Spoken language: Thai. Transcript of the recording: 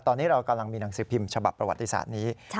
ตอนนี้เรากำลังมีหนังสือพิมพ์ฉบับประวัติศาสตร์นี้